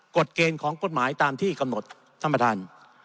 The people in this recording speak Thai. เกณฑ์ของกฎหมายตามที่กำหนดท่านประธาน